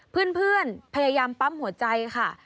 เพื่อนพยายามปั๊มหัวใจค่ะ